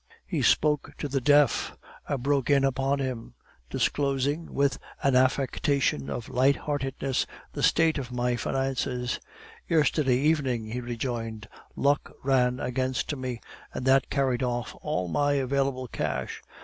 "He spoke to the deaf. I broke in upon him, disclosing, with an affectation of light heartedness, the state of my finances. "'Yesterday evening,' he rejoined, 'luck ran against me, and that carried off all my available cash.